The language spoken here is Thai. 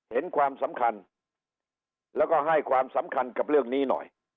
เห็นความสำคัญแล้วก็ให้ความสำคัญกับเรื่องนี้หน่อย